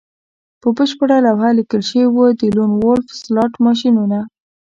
په بشپړه لوحه لیکل شوي وو د لون وولف سلاټ ماشینونه